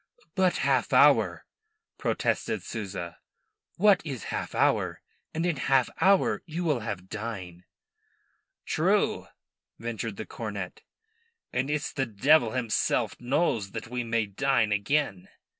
"But half hour," protested Souza. "What is half hour? And in half hour you will have dine." "True," ventured the cornet; "and it's the devil himself knows when we may dine again."